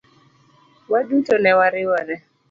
Waduto ne wariwore.